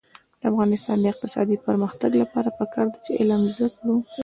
د افغانستان د اقتصادي پرمختګ لپاره پکار ده چې علم زده کړو.